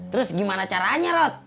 terus gimana caranya rod